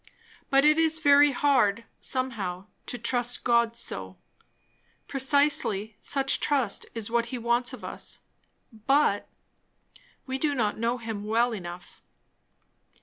But it is very hard, somehow, to trust God so. Precisely such trust is what he wants of us; but we do not know him well enough!